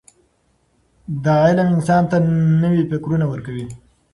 دا علم انسان ته نوي فکرونه ورکوي.